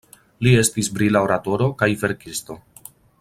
Li estis brila oratoro kaj verkisto.